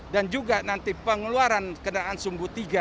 dan juga nanti pengeluaran kendaraan sumbu tiga